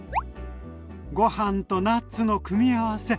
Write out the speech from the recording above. ご飯とナッツの組み合わせ。